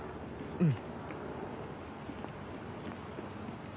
うん。